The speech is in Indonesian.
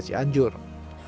kepala korban gempa cianjur